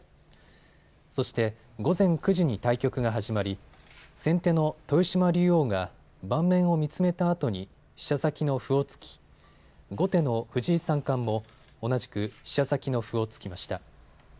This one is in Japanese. そして午前９時に対局が始まり先手の豊島竜王が盤面を見つめたあとに飛車先の歩を突き、後手の藤井三冠も同じく飛車先の歩を突きました。